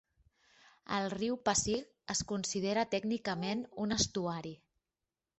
El riu Pasig es considera tècnicament un estuari.